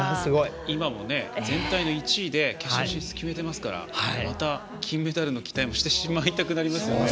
今も全体の１位で決勝進出を決めていますからまた、金メダルの期待もしてしまいたくなりますね。